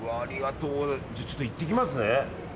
じゃあちょっと行ってきますね。